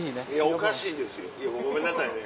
おかしいですよごめんなさいね。